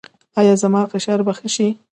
ایا زما فشار به ښه شي؟